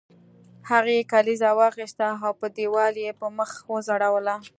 هغې کلیزه واخیسته او په دیوال یې په میخ وځړوله